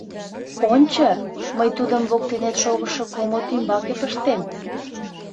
Ончо, мый тудым воктенет шогышо комод ӱмбаке пыштем.